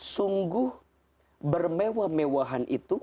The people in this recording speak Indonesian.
sungguh bermewah mewahan itu